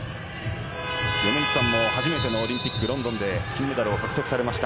米満さんも初めてのオリンピック、ロンドンで金メダルを獲得されました。